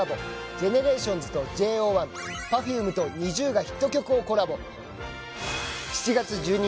ＧＥＮＥＲＡＴＩＯＮＳとＪＯ１ＰｅｒｆｕｍｅとＮｉｚｉＵがヒット曲をコラボ。